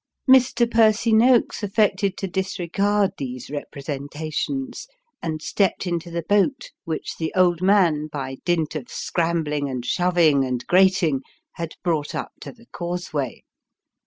Mr. Percy Noakes affected to disregard these representations, and stepped into the boat, which the old man, by dint of scrambling, and shoving, and grating, had brought up to the causeway.